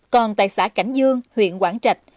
còn tại xã cảnh dương huyện quảng trạch